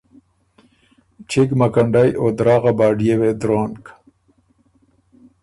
چِګ مکنډئ او دراغه باډيې وې درونک۔